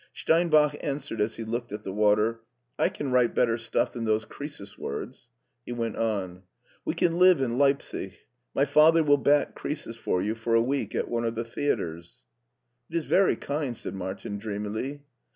Steinbach answered as he looked at the water, " I can write better stuff than those Croesus words." He went on, " We can live in Leipsic. My father will back Croesus for you for a week at one of the theaters. " It is very kind," said Martin dreamily.